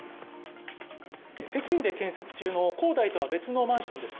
北京で建設中の恒大とは別のマンションです。